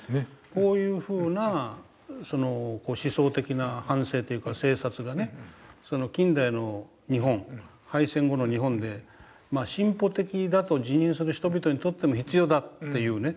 こういうふうな思想的な反省というか精察がね近代の日本敗戦後の日本で進歩的だと自認する人々にとっても必要だっていうね